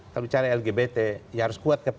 kalau bicara lgbt ya harus kuat